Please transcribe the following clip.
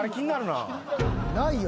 ないよ